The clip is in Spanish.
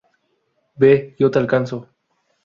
¡ Ve! ¡ yo te alcanzo!